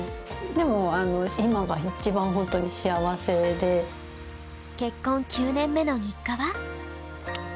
でも結婚９年目の日課は。